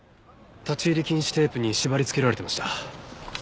立ち入り禁止テープに縛り付けられてました。